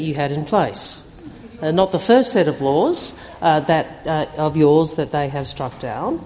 bukan peraturan pertama yang diperlukan